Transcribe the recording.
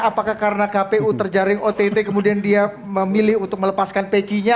apakah karena kpu terjaring ott kemudian dia memilih untuk melepaskan peci nya